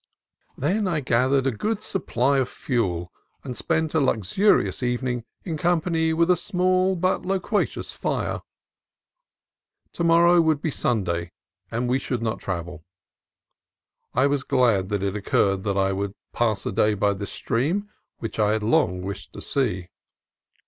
Then I gathered a good supply of fuel and spent a luxurious evening in company with a small but lo quacious fire. To morrow would be Sunday, and we should not travel. I was glad that it occurred that I could pass a day by this stream, which I had long wished to see.